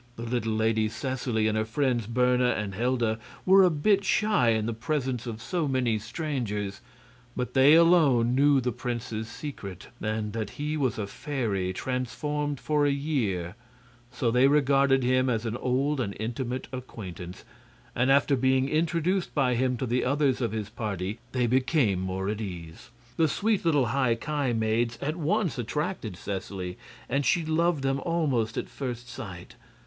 The little Lady Seseley and her friends, Berna and Helda, were a bit shy in the presence of so many strangers; but they alone knew the prince's secret, and that he was a fairy transformed for a year; so they regarded him as an old and intimate acquaintance, and after being introduced by him to the others of his party they became more at ease. The sweet little High Ki maids at once attracted Seseley, and she loved them almost at first sight.